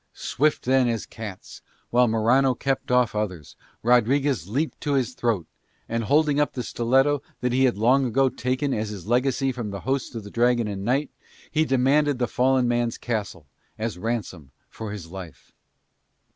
Swift then as cats, while Morano kept off others, Rodriguez leaped to his throat, and, holding up the stiletto that he had long ago taken as his legacy from the host of the Dragon and Knight, he demanded the fallen man's castle as ransom for his life.